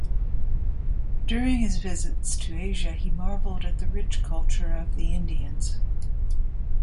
During his visits to Asia he marvelled at the rich culture of the Indians.